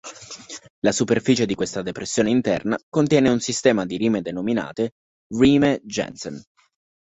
La superficie di questa depressione interna contiene un sistema di rime denominate "Rimae Janssen".